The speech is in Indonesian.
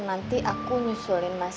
nanti aku nyusulin mas